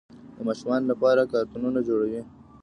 د ماشومانو لپاره کارتونونه جوړوي.